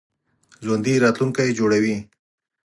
ژوندي راتلونکی جوړوي